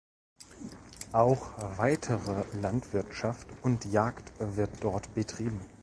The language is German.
Auch weitere Landwirtschaft und Jagd wird dort betrieben.